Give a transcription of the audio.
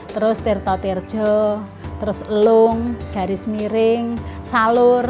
terus tirto tirjo terus lung garis miring salur